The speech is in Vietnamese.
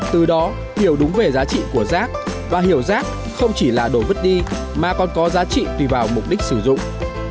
từ đó hiểu đúng về giá trị của rác và hiểu rác không chỉ là đồ vứt đi mà còn có giá trị tùy vào mục đích sử dụng